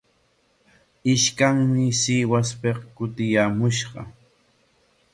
Ishkanmi Sihuaspik kutiyaamushqa.